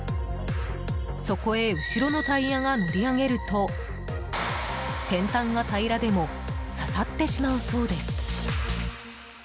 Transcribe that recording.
そこへ後ろのタイヤが乗り上げると先端が平らでも刺さってしまうそうです。